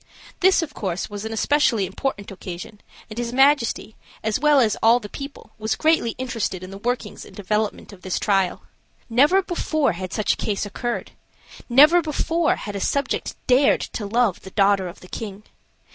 This, of course, was an especially important occasion, and his majesty, as well as all the people, was greatly interested in the workings and development of this trial. Never before had such a case occurred; never before had a subject dared to love the daughter of the king.